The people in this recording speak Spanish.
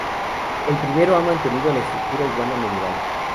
El primero ha mantenido la estructura urbana medieval.